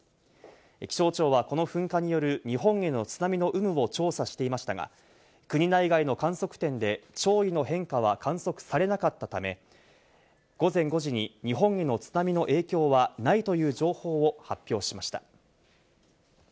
気象庁はこの噴火による日本への津波の有無を調査していましたが、国内外の観測点で潮位の変化は観測されなかったため、午前５時に日本への津波の影響はないという情報を発表しました。